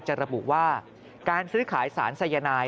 ระบุว่าการซื้อขายสารสายนาย